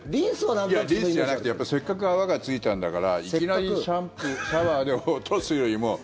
いや、リンスじゃなくてせっかく泡がついたんだからいきなりシャンプーシャワーで落とすよりも。